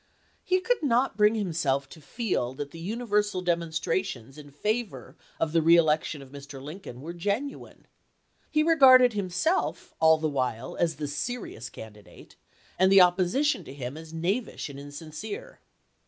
^ute^oi He could not bring himself to feel that the uni ^cS ^' versal demonstrations in favor of the reelection of ^'^^' Mr. Lincoln were genuine. He regarded himself all the while as the serious candidate, and the oppo sition to him as knavish and insincere.